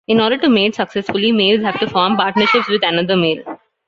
In order to mate successfully, males have to form partnerships with another male.